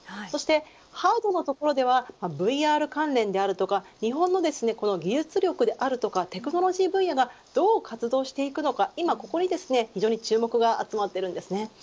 そしてハードのところではＶＲ関連であるとか日本の技術力であるとかテクノロジー分野がどう活動していくのか今ここに非常に注目が集まっています。